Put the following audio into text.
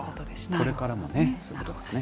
これからもね、そういうことですね。